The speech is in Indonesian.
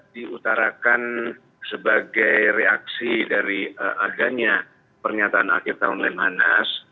ya sebagaimana juga diutarakan sebagai reaksi dari aganya pernyataan akhir tahun lemhanas